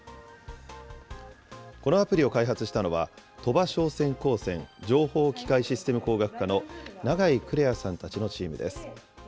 このアプリを開発したのは、鳥羽商船高専情報機械システム工学科の永井玖愛さんたちのチームです。